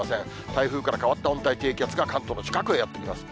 台風から変わった温帯低気圧が、関東の近くへやって来ます。